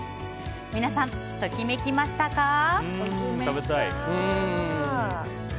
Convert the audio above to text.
皆さん、ときめきましたか？